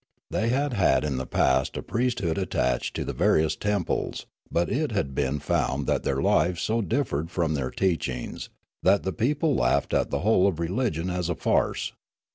They had had in the past a priesthood attached to the various temples, but it had been found that their lives so differed from their teachings that the people laughed at the whole of religion as a farce.